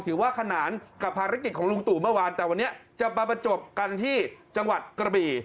ขนานกับภารกิจของลุงตู่เมื่อวานแต่วันนี้จะมาประจบกันที่จังหวัดกระบี่